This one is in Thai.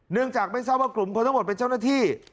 เนื่องจากไม่ทราบว่ากลุ่มคนทั้งหมดเป็นเจ้าหน้าที่